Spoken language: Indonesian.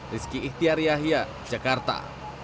rizky ihtiar yahya jakarta